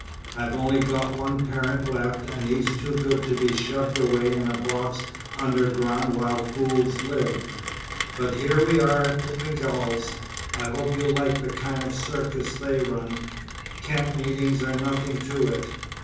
I've only got one parent left, and he's too good to be shoved away in a box underground while fools live. But here we are at the Pegalls'. I hope you'll like the kind of circus they run. Campmeetings are nothing to it."